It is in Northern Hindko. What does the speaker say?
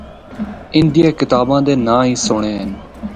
اندیاں کتاباں دے ناں ہی سہنڑے ہن۔